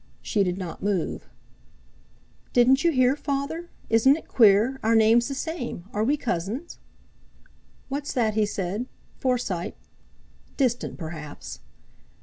She did not move. "Didn't you hear, Father? Isn't it queer—our name's the same. Are we cousins?" "What's that?" he said. "Forsyte? Distant, perhaps."